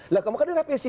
lah kamu kan direfesi